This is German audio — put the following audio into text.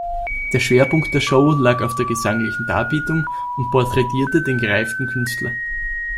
Der Schwerpunkt der Show lag auf der gesanglichen Darbietung und porträtierte den gereiften Künstler.